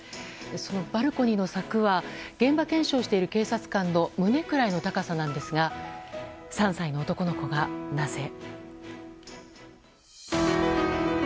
そのバルコニーの柵は現場検証している警察官の胸くらいの高さなんですが３歳の男の子が、なぜ。